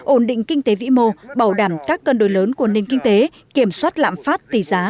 ổn định kinh tế vĩ mô bảo đảm các cân đối lớn của nền kinh tế kiểm soát lạm phát tỷ giá